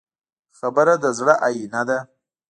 خبره د زړه آیینه ده.